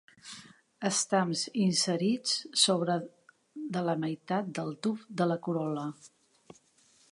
Estams inserits sobre de la meitat del tub de la corol·la.